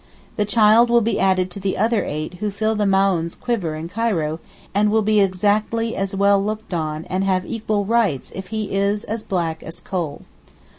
The child will be added to the other eight who fill the Maōhn's quiver in Cairo and will be exactly as well looked on and have equal rights if he is as black as a coal.